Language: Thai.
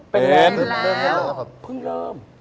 เป็นแล้ว